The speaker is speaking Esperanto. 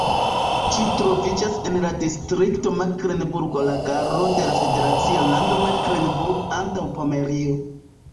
Ĝi troviĝas en la distrikto Meklenburga Lagaro de la federacia lando Meklenburgo-Antaŭpomerio.